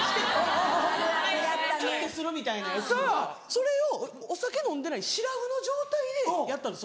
それをお酒飲んでないしらふの状態でやったんです